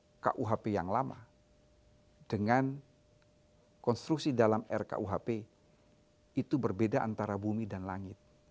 karena kuhp yang lama dengan konstruksi dalam rkuhp itu berbeda antara bumi dan langit